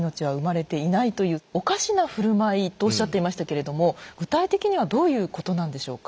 「おかしなふるまい」とおっしゃっていましたけれども具体的にはどういうことなんでしょうか？